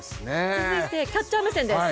続いてキャッチャー目線です。